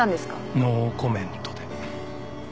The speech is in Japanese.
ノーコメントで。